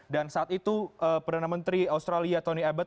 dan saat itu perdana menteri australia tony abbott